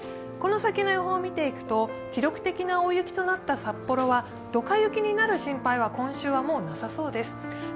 この先の予報を見ていくと記録的な大雪となった札幌はどか雪になる心配は今週はもうなさそうです。